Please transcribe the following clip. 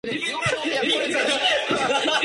自分らしく生きてみなさい